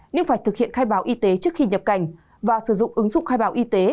nhưng phải thực hiện khai báo y tế trước khi nhập cảnh và sử dụng ứng dụng khai báo y tế